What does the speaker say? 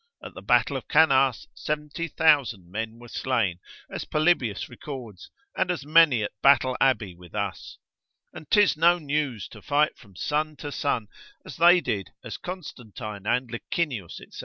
At the battle of Cannas, 70,000 men were slain, as Polybius records, and as many at Battle Abbey with us; and 'tis no news to fight from sun to sun, as they did, as Constantine and Licinius, &c.